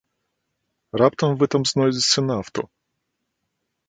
Раптам вы там знойдзеце нафту?